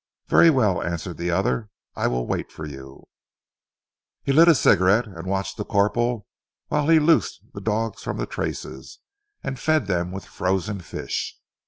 "Very well," answered the other. "I will wait for you!" He lit a cigarette and watched the corporal whilst he loosed the dogs from the traces, and fed them with frozen fish.